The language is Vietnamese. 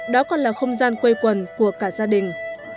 đó còn là không gian quây quần của cả gia đình